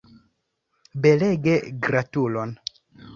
Belege, gratulon!